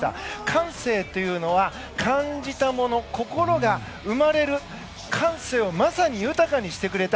感性というのは感じたもの、心が生まれる感性をまさに豊かにしてくれた。